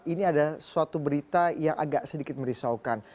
ini ada suatu berita yang agak sedikit merisaukan